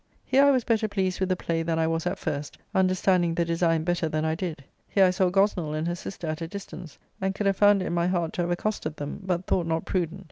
Here I was better pleased with the play than I was at first, understanding the design better than I did. Here I saw Gosnell and her sister at a distance, and could have found it in my heart to have accosted them, but thought not prudent.